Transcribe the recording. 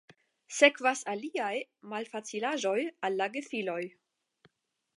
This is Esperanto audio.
Sekvas aliaj malfacilaĵoj al la gefiloj.